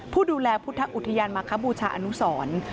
ผู้ดูแลพุทธอุทยานมาคบูชาอนุสร